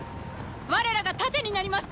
我らが盾になります！